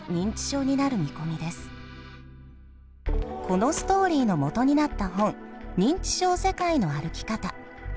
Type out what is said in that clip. このストーリーのもとになった本「認知症世界の歩き方」。